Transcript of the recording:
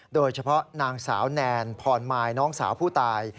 โดยเฉพาะนางสาวแนนพรมายน้องสาวผู้ตาย